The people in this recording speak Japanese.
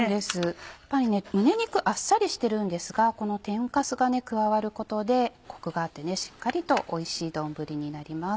やっぱり胸肉あっさりしてるんですがこの天かすが加わることでコクがあってしっかりとおいしい丼になります。